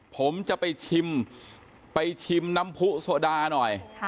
ผมจะไปชิมไปชิมน้ำผู้โซดาหน่อย